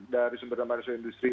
dari sumber daya manusia industri